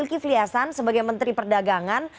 enki fliasan sebagai menteri perdagangan